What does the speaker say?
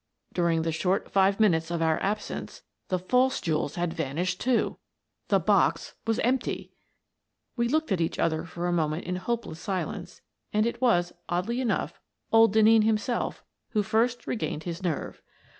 During the short five minutes of our absence, the false jewels had vanished, too! The box was empty. We looked at each other for a moment in hopeless silence, and it was, oddly enough, old Denneen him self who first regained his nerve.